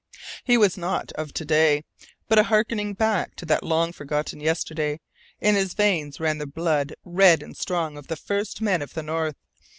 He was not of to day, but a harkening back to that long forgotten yesterday; in his veins ran the blood red and strong of the First Men of the North.